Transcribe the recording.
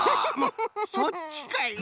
そっちかい！